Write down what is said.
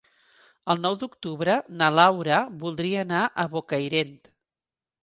El nou d'octubre na Laura voldria anar a Bocairent.